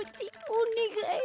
おねがい。